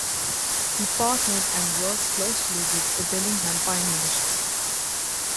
He partnered and worked closely with the Bellingham pioneers.